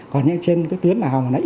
còn trên những tuyến nào mà nó yếu